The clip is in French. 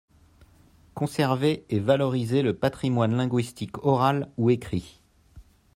conserver et valoriser le patrimoine linguistique oral ou écrit.